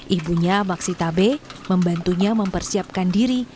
ibunya maksitabe membantunya mempersiapkan diri